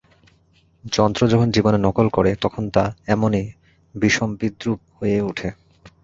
যন্ত্র যখন জীবনের নকল করে তখন তা এমনি বিষম বিদ্রূপ হয়েই ওঠে।